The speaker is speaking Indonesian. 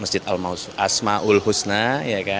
masjid asma ul husna cukup khas ya disini